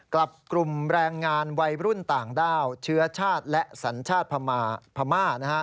กับกลุ่มแรงงานวัยรุ่นต่างด้าวเชื้อชาติและสัญชาติพม่า